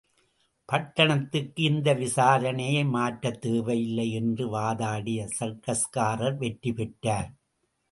பட்டணத்துக்கு இந்த விசாரணையை மாற்றத் தேவையில்லை என்று வாதாடிய சர்க்கஸ்காரர் வெற்றி பெற்றார்.